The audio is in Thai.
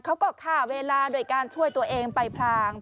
เขาก็ค่าเวลาโดยการช่วยตัวเองไปพลาง